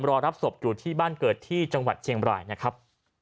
รอรับศพอยู่ที่บ้านเกิดที่จังหวัดเชียงบรายนะครับ